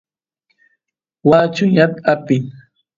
waa chuñar apin